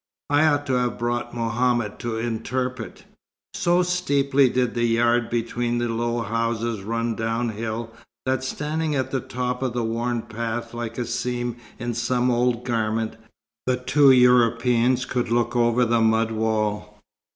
I ought to have brought Mohammed to interpret." So steeply did the yard between the low houses run downhill, that, standing at the top of a worn path like a seam in some old garment, the two Europeans could look over the mud wall.